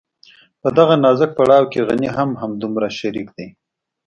په دغه نازک پړاو کې غني هم همدومره شريک دی.